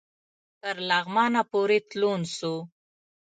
تر لغمانه پوري تلون سو